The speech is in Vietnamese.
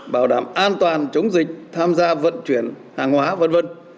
bảo đảm an toàn chống dịch tham gia vận chuyển hàng hóa v v